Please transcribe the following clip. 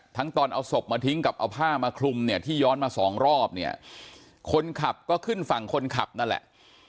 ตอนเอาศพมาทิ้งกับเอาผ้ามาคลุมเนี่ยที่ย้อนมาสองรอบเนี่ยคนขับก็ขึ้นฝั่งคนขับนั่นแหละ